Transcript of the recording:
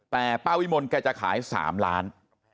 แต่ป้าวิมลแกจะขาย๓ล้าน